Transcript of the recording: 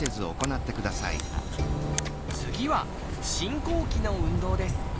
次は進行期の運動です。